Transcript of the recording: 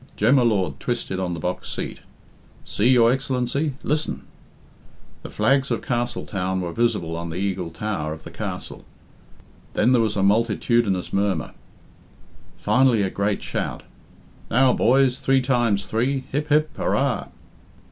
Jem y Lord twisted on the box seat. "See, your Excellency! Listen!" The flags of Castletown were visible on the Eagle Tower of the castle. Then there was a multitudinous murmur. Finally a great shout. "Now, boys! Three times three! Hip, hip, hurrah!"